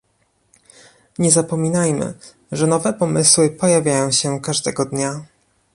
Nie zapominajmy, że nowe pomysły pojawiają się każdego dnia